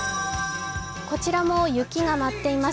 こちらも雪が舞っています